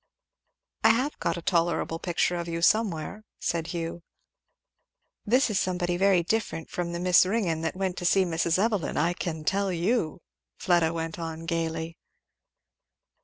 "I have got a tolerable picture of you, somewhere," said Hugh. "This is somebody very different from the Miss Ringgan that went to see Mrs. Evelyn, I can tell you," Fleda went on gayly.